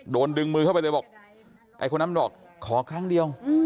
โดนดึงมือเข้าไปเลยบอกไอ้คนนั้นมันบอกขอครั้งเดียว